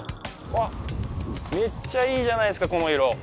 あっ、めっちゃいいじゃないですか、この色。